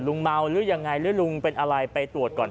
เมาหรือยังไงหรือลุงเป็นอะไรไปตรวจก่อน